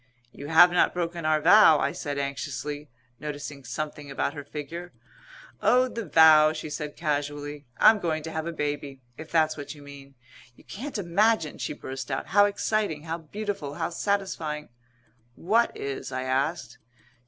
"You have not broken our vow?" I said anxiously, noticing something about her figure. "Oh, the vow," she said casually. "I'm going to have a baby, if that's what you mean. You can't imagine," she burst out, "how exciting, how beautiful, how satisfying " "What is?" I asked.